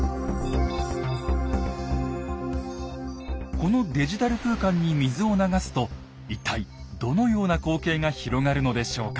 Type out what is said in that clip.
このデジタル空間に水を流すと一体どのような光景が広がるのでしょうか？